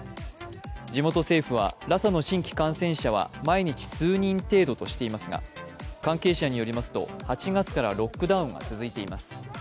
地元政府はラサの新規感染者は毎日数人程度としていますが関係者によりますと８月からロックダウンが続いています。